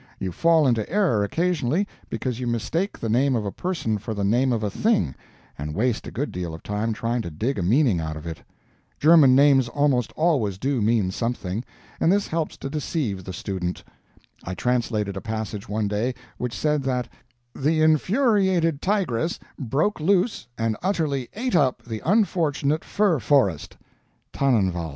You fall into error occasionally, because you mistake the name of a person for the name of a thing, and waste a good deal of time trying to dig a meaning out of it. German names almost always do mean something, and this helps to deceive the student. I translated a passage one day, which said that "the infuriated tigress broke loose and utterly ate up the unfortunate fir forest" (Tannenwald).